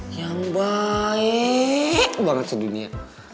yang baik banget sedunia